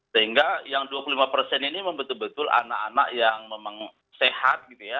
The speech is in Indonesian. sehingga yang dua puluh lima persen ini memang betul betul anak anak yang memang sehat gitu ya